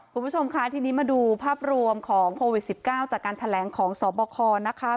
คุณผู้ชมคะทีนี้มาดูภาพรวมของโควิด๑๙จากการแถลงของสบคนะคะ